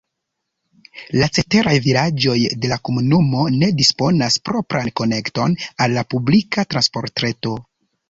La ceteraj vilaĝoj de la komunumo ne disponas propran konekton al la publika transportreto.